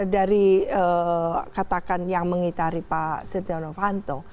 dari katakan yang mengitari pak setia novanto